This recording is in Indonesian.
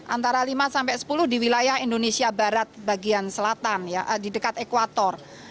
antara lima sampai sepuluh di wilayah indonesia barat bagian selatan di dekat ekwator